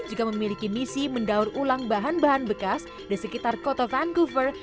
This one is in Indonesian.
juga memiliki misi mendaur ulang bahan bahan bekas di sekitar kota vancouver